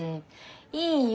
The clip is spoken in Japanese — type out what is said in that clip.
いいよ